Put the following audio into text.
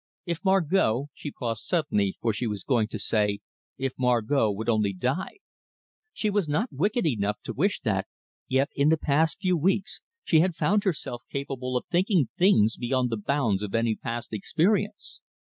If Margot she paused suddenly, for she was going to say, If Margot would only die! She was not wicked enough to wish that; yet in the past few weeks she had found herself capable of thinking things beyond the bounds of any past experience.